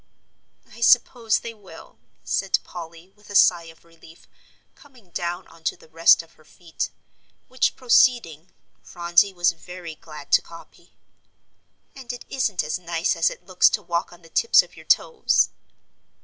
"I suppose they will," said Polly, with a sigh of relief, coming down on to the rest of her feet, which proceeding, Phronsie was very glad to copy. "And it isn't as nice as it looks to walk on the tips of your toes.